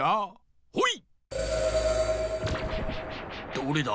どれだ？